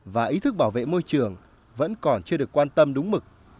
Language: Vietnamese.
và ý thức bảo vệ môi trường vẫn còn chưa được quan tâm đúng mực